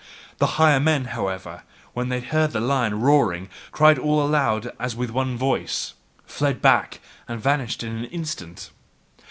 The higher men, however, when they heard the lion roaring, cried all aloud as with one voice, fled back and vanished in an instant.